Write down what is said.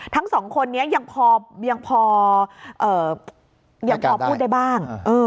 ทั้งสองคนนี้ยังพอยังพอพูดได้บ้าง